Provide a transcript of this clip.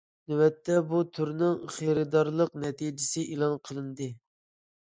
نۆۋەتتە، بۇ تۈرنىڭ خېرىدارلىق نەتىجىسى ئېلان قىلىندى.